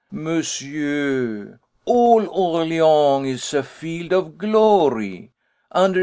"Monsieur! all Orléans is a field of glory. Under S.